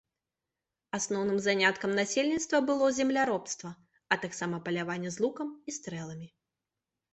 Асноўным заняткам насельніцтва было земляробства, а таксама паляванне з лукам і стрэламі.